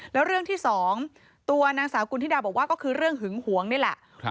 แล้วเรื่องที่สองตัวนางสาวกุณฑิดาบอกว่าก็คือเรื่องหึงหวงนี่แหละ